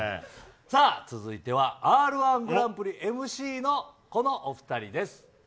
続いてはＲ−１グランプリＭＣのこのお２人です。